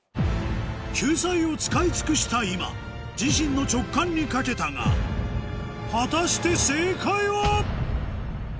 救済を使い尽くした今自身の直感にかけたが果たして正解は？